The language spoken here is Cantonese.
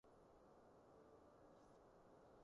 依個單位面積五百平方尺